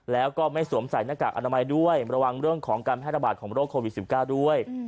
แล้วก็ไม่สวมใส่หน้ากากอนามัยด้วยระวังเรื่องของการแพร่ระบาดของโรคโควิด๑๙ด้วย